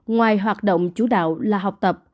ngoài hoạt động chủ đạo là học tập